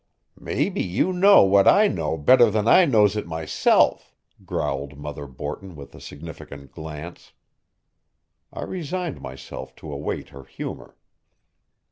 "Maybe you know what I know better than I knows it myself," growled Mother Borton with a significant glance. I resigned myself to await her humor.